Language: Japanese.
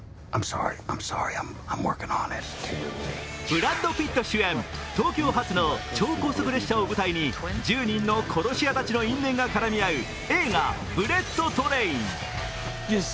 ブラッド・ピット主演、東京発の超高速列車を舞台に１０人の殺し屋たちの因縁が絡み合う映画「ブレット・トレイン」。